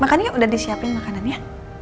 makannya udah disiapin makanannya